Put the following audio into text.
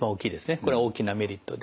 これは大きなメリットで。